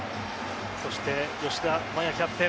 そして吉田麻也キャプテン